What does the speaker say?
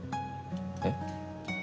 えっ？